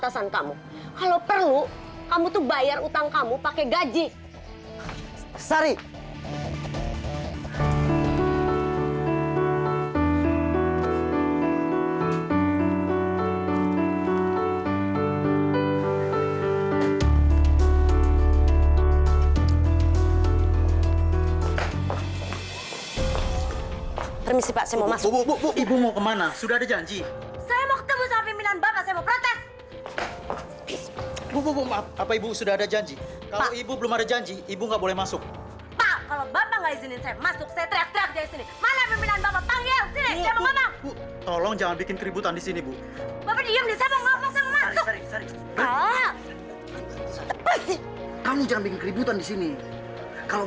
sampai jumpa di video selanjutnya